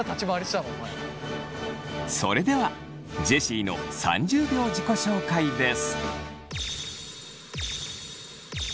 それではジェシーの３０秒自己紹介です。